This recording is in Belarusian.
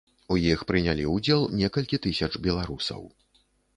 У іх прынялі ўдзел некалькі тысяч беларусаў.